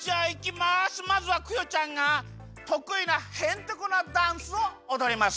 まずはクヨちゃんがとくいなへんてこなダンスをおどります。